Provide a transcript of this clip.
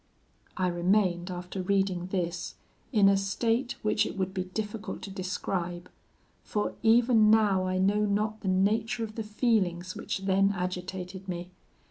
"I remained, after reading this, in a state which it would be difficult to describe; for even now I know not the nature of the feelings which then agitated me.